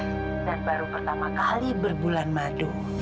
dan baru pertama kali berbulan madu